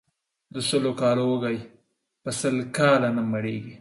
د سلو کالو وږى ، په سل کاله نه مړېږي.